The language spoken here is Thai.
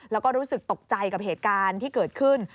แล้วก็รู้สึกตกใจกับเหตุการณ์ที่เกิดขึ้น